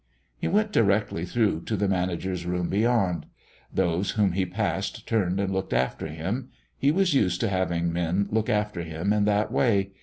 He went directly through to the manager's room beyond. Those whom he passed turned and looked after him; he was used to having men look after him in that way.